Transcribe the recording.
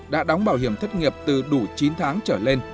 đã đóng bảo hiểm thất nghiệp từ đủ chín tháng trở lên